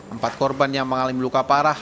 empat korban yang mengalami luka parah